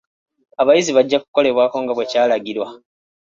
Abayizi bajja kukolebwako nga bwekyalagirwa.